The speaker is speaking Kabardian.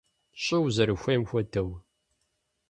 ЩӀы узэрыхуейм хуэдэу!